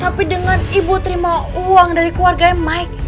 tapi dengan ibu terima uang dari keluarganya mike